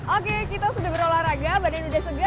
oke kita sudah berolahraga badan sudah segar